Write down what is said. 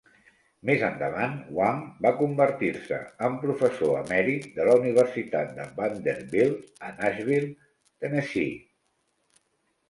Més endavant Wang va convertir-se en professor emèrit de la Universitat de Vanderbilt, a Nashville, Tennessee.